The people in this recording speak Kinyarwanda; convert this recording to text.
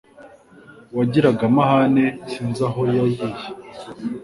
Wagiraga amahane sinzi aho yayiye